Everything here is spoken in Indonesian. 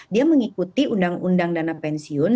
dia mengikuti undang undang dana pensiun